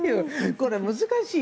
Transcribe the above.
これ、難しい。